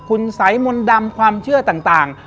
คุณสัยมนต์ดำความเชื่อต่าง